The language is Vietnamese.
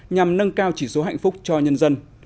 nhằm nâng cao chỉ số hạnh phúc cho nhân dân